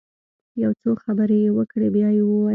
يو څو خبرې يې وکړې بيا يې وويل.